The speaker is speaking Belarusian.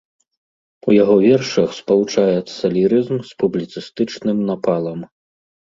У яго вершах спалучаецца лірызм з публіцыстычным напалам.